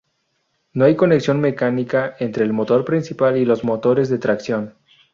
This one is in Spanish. No hay conexión mecánica entre el motor principal y los motores de tracción.